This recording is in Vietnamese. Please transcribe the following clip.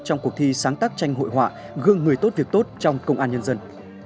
trong cuộc thi sáng tác tranh hội họa gương người tốt việc tốt trong công an nhân dân